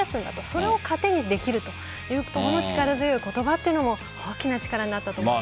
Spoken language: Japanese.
それを糧にできるというところも力強い言葉も大きな力になったと思います。